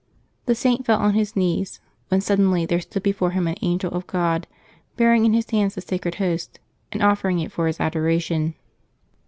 The Saint fell on his knees, when suddenly there stood before him an angel of €rod, bearing in his hands the Sacred Host, and offering it for his adoration.